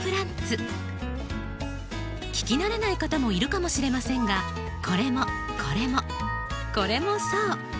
聞き慣れない方もいるかもしれませんがこれもこれもこれもそう。